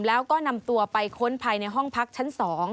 แล้วก็นำตัวไปค้นภายในห้องพักชั้น๒